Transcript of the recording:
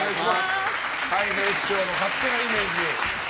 たい平師匠の勝手なイメージ。